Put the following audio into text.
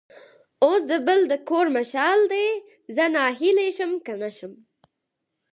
اوس د بل د کور مشال دی؛ زه ناهیلی شم که نه شم.